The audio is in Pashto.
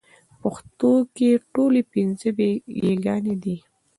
پښتو کې ټولې پنځه يېګانې دي